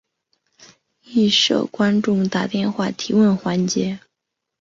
亦设观众打电话提问环节。